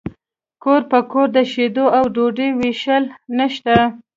کور په کور د شیدو او ډوډۍ ویشل نشته